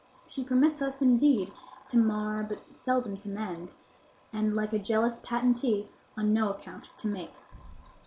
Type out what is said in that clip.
She permits us, indeed, to mar, but seldom to mend, and, like a jealous patentee, on no account to make.